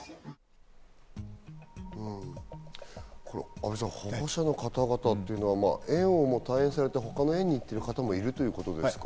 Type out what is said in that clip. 阿部さん、保護者の方々っていうのは園を退園されて他の園に行ってる方もいるってことですか？